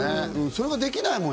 それができないもん。